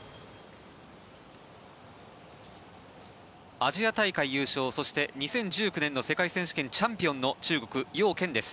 アジア大会優勝そして２０１９年の世界選手権のチャンピオンの中国ヨウ・ケンです。